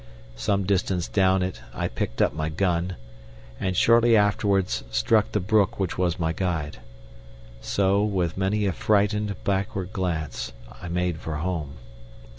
Some distance down it I picked up my gun, and shortly afterwards struck the brook which was my guide. So, with many a frightened backward glance, I made for home.